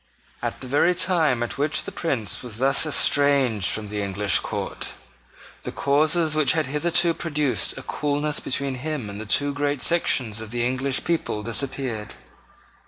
At the very time at which the Prince was thus estranged from the English court, the causes which had hitherto produced a coolness between him and the two great sections of the English people disappeared.